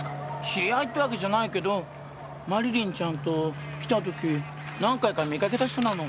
知り合いってわけじゃないけどマリリンちゃんと来た時何回か見かけた人なの。